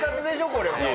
これもう。